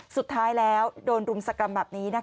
สุดท้ายแล้วโดนรุมสกรรมแบบนี้